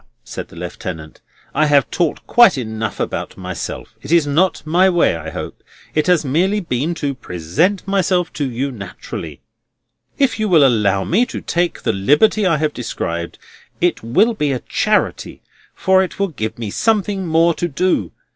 "However," said the Lieutenant, "I have talked quite enough about myself. It is not my way, I hope; it has merely been to present myself to you naturally. If you will allow me to take the liberty I have described, it will be a charity, for it will give me something more to do.